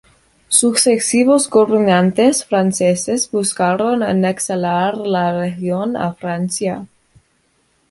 Sucesivos gobernantes franceses buscaron anexar la región a Francia.